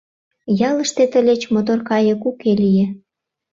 Ялыште тылеч мотор кайык уке лие.